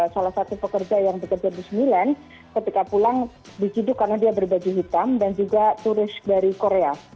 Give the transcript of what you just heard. salah satu pekerja yang bekerja di sembilan ketika pulang diciduk karena dia berbaju hitam dan juga turis dari korea